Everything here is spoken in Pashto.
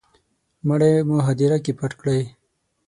مړی مو هدیره کي پټ کړی